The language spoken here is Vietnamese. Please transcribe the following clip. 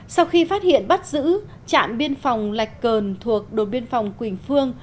sau khi phát hiện bắt giữ trạm biên phòng lạch cờn thuộc đồn biên phòng quỳnh phương